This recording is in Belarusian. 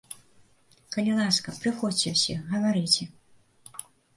Калі ласка, прыходзьце ўсе, гаварыце.